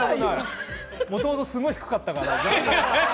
もともとすごく低かったから。